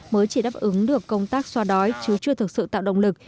mới chỉ đáp ứng được công tác xoa đói chứ chưa thực sự tạo động lực